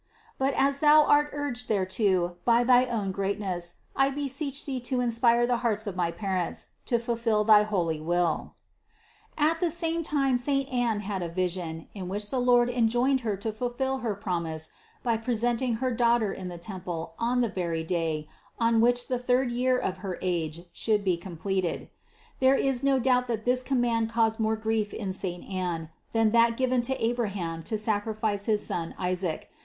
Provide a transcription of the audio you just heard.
But as Thou art urged thereto by thy own greatness, I beseech Thee to inspire the hearts of my parents to fulfill thy holy will." 408. At the same time saint Anne had a vision, in which the Lord enjoined her to fulfill her promise by presenting her Daughter in the temple on the very day, on which the third year of her age should be complete. There is no doubt that this command caused more grief in saint Anne, than that given to Abraham to sacrifice his son Isaac.